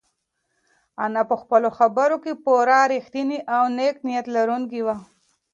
انا په خپلو خبرو کې پوره رښتینې او نېک نیت لرونکې وه.